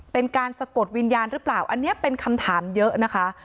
เป็นการสะกดวิญญาณหรือเปล่าอันนี้เป็นคำถามเยอะนะคะ